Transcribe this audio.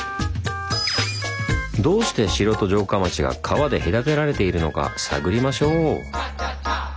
どうして城と城下町が川で隔てられているのか探りましょう。